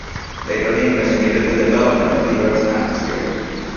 Later he investigated the development of the Earth's atmosphere.